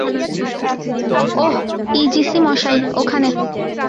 ওহ, ইজিচি মশাই, ওখানে।